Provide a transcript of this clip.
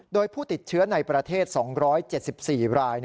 โดยผู้ติดเชื้อในประเทศ๒๗๔ราย